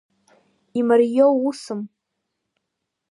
Имариоу усым.